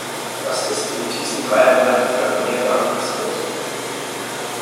Was ist in diesen dreieinhalb oder mehr Jahren passiert?